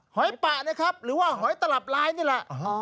หอยปะนะครับหรือว่าหอยตลับร้ายนี่แหละ